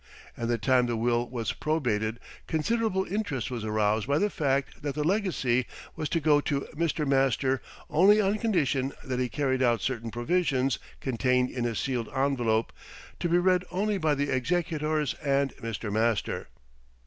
At the time the will was probated considerable interest was aroused by the fact that the legacy was to go to Mr. Master only on condition that he carried out certain provisions contained in a sealed envelope, to be read only by the executors and Mr. Master.